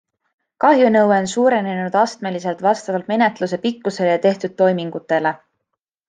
Kahjunõue on suurenenud astmeliselt vastavalt menetluse pikkusele ja tehtud toimingutele.